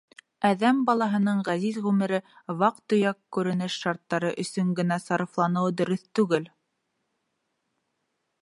Әҙәм балаһының ғәзиз ғүмере ваҡ-төйәк көнкүреш шарттары өсөн генә сарыфланыуы дөрөҫ түгел.